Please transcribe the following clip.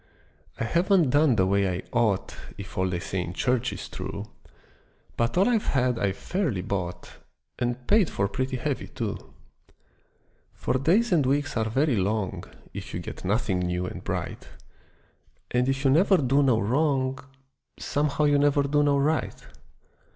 I haven't done the way I ought If all they say in church is true, But all I've had I've fairly bought, And paid for pretty heavy too. For days and weeks are very long If you get nothing new and bright, And if you never do no wrong Somehow you never do no right.